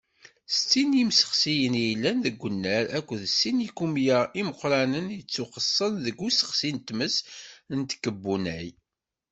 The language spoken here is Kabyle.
Settin n yimsexsiyen i yellan deg unnar akked sin n yikumya imeqqranen i yettuxeṣṣen deg usexsi n tmes n tkebbunay.